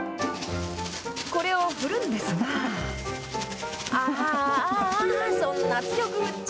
これを振るんですが、あーあー、そんなに強く振っちゃ。